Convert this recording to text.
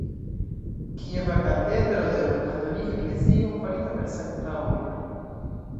Kieva katedro de Romkatolika Eklezio, farita per Sankta Olga.